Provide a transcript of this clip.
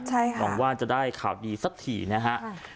หรอกว่าจะได้ข่าวดีซักทีนะฮะ